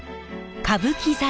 歌舞伎座